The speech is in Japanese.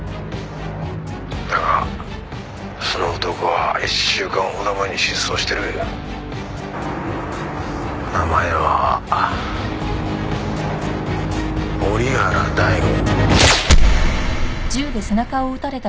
「だがその男は１週間ほど前に失踪してる」名前は折原大吾。